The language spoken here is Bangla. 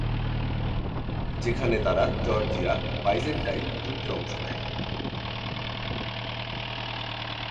সেখানে তারা জর্জিয়া-বাইজানটাইন যুদ্ধে অংশ নেয়।